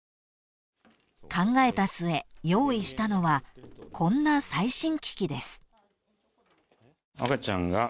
［考えた末用意したのはこんな最新機器です］